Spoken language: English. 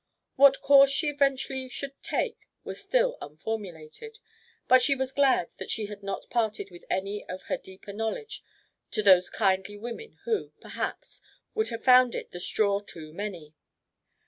What course she eventually should take was still unformulated, but she was glad that she had not parted with any of her deeper knowledge to those kindly women who, perhaps, would have found it the straw too many.